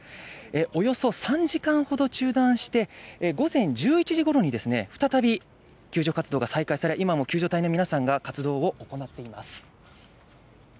およそ３時間ほど中断して午前１１時頃に再び救助活動が再開され、今も救助隊の皆さんが活動を行っています。